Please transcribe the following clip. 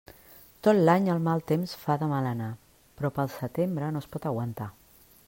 Tot l'any el mal temps fa de mal anar; però pel setembre no es pot aguantar.